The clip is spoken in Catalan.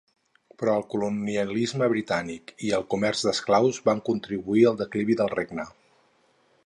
Però el colonialisme britànic i el comerç d'esclaus van contribuir al declivi del Regne.